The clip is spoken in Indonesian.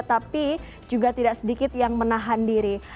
tapi juga tidak sedikit yang menahan diri